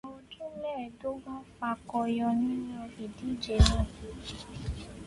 Ọmọ ọdún mẹ́ẹ̀dógún fakọyọ nínú ìdíje náà.